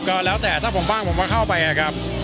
ก็แล้วแต่ถ้าผมว่างผมก็เข้าไปครับ